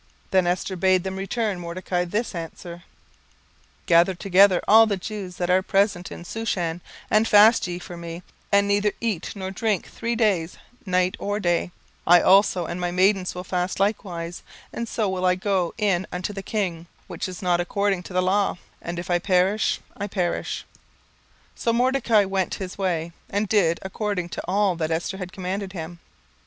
17:004:015 Then Esther bade them return Mordecai this answer, 17:004:016 Go, gather together all the Jews that are present in Shushan, and fast ye for me, and neither eat nor drink three days, night or day: I also and my maidens will fast likewise; and so will I go in unto the king, which is not according to the law: and if I perish, I perish. 17:004:017 So Mordecai went his way, and did according to all that Esther had commanded him.